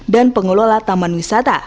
dan pengelola taman wisata